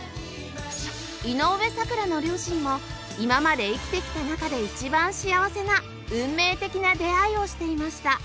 井上咲楽の両親も今まで生きてきた中で一番幸せな運命的な出会いをしていました